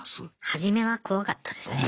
初めは怖かったですね。